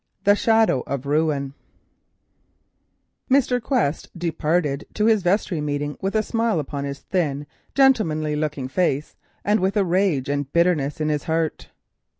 THE SHADOW OF RUIN Mr. Quest walked to his vestry meeting with a smile upon his thin, gentlemanly looking face, and rage and bitterness in his heart.